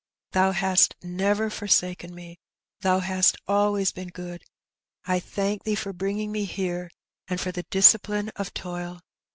Thoa hast never forsaken me. Thou hast always been good. I thank Thee for bringing me here^ and for the discipline of toil.